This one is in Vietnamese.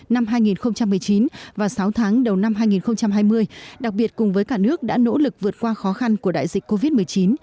năm hai nghìn một mươi chín và sáu tháng đầu năm hai nghìn hai mươi đặc biệt cùng với cả nước đã nỗ lực vượt qua khó khăn của đại dịch covid một mươi chín